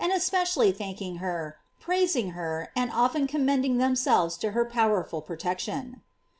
especially thanking her, praising her, and often commending themselves to her powerful pro tection.